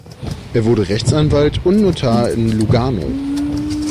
Er wurde Rechtsanwalt und Notar in Lugano.